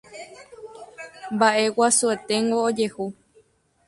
Mba'e guasueténgo ojehu